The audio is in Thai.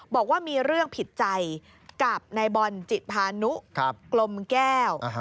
บอกว่ามีเรื่องผิดใจกับนายบอลจิตพานุกลมแก้ว